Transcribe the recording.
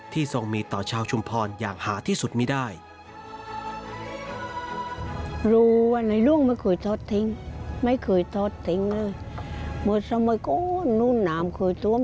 ทรงมีต่อชาวชุมพรอย่างหาที่สุดไม่ได้